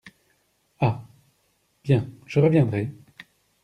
Ah ? bien ! je reviendrai…